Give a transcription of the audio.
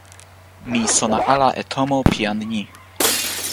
mi sona ala e tomo pi jan ni.